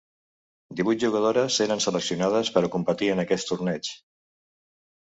Divuit jugadores eren seleccionades per a competir en aquests torneigs.